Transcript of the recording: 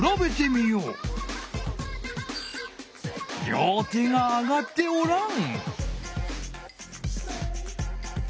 両手が上がっておらん。